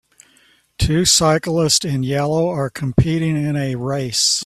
Two cyclists in yellow are competing in a race